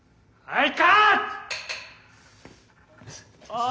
はい。